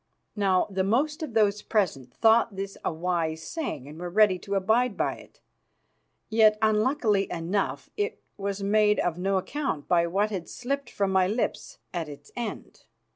Now, the most of those present thought this a wise saying and were ready to abide by it. Yet, unluckily enough, it was made of no account by what had slipped from my lips at its end.